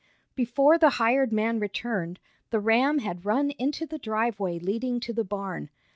Before the hired man returned, the ram had run into the driveway leading to the barn.